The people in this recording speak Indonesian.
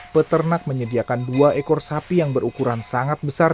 peternak menyediakan dua ekor sapi yang berukuran sangat besar